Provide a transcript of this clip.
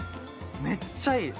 めっちゃいい！